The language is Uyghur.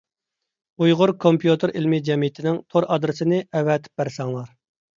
ئۇيغۇر كومپيۇتېر ئىلمى جەمئىيىتىنىڭ تور ئادرېسىنى ئەۋەتىپ بەرسەڭلار.